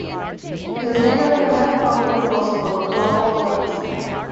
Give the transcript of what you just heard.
He was named after American author and philosopher, Ralph Waldo Emerson.